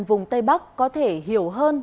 vùng tây bắc có thể hiểu hơn